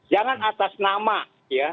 jangan atas nama ya